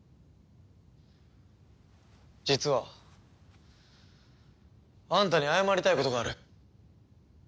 実はあんたに謝りたいことがある。